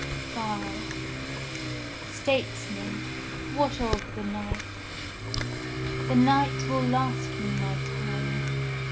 5 Statesman, what of the night?— The night will last me my time.